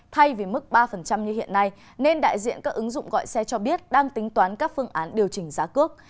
thay vì mức ba như hiện nay nên đại diện các ứng dụng gọi xe cho biết đang tính toán các phương án điều chỉnh giá cước